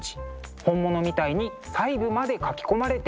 本物みたいに細部まで描き込まれています。